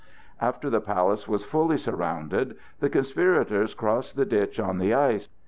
After the palace was fully surrounded, the conspirators crossed the ditch on the ice.